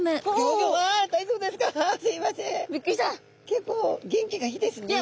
結構元気がいいですね。